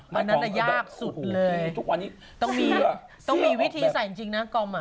มันน่ะยากสุดเลยต้องมีวิธีใส่จริงนะกอง